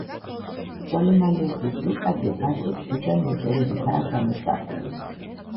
პტოლემაიოსის რუკაზე ბაქო ზღვიდან მოშორებითაა გამოსახული.